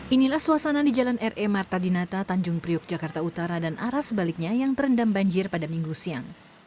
inilah suasana di jalan re marta dinata tanjung priuk jakarta utara dan arah sebaliknya yang terendam banjir pada minggu siang